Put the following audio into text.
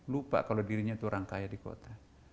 lupa kalau dirinya itu orang kaya di kota